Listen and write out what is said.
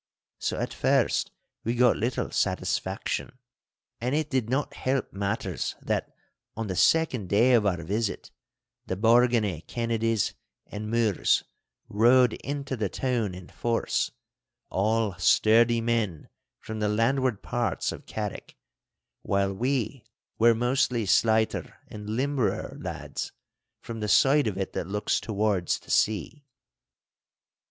So at first we got little satisfaction, and it did not help matters that, on the second day of our visit, the Bargany Kennedies and Mures rode into the town in force—all sturdy men from the landward parts of Carrick, while we were mostly slighter and limberer lads, from the side of it that looks towards the sea.